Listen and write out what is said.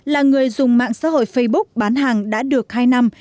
là người dùng mạng xã hội facebook bán hàng đã được hai năm